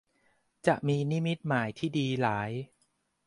จะมีนิมิตหมายที่ดีหลาย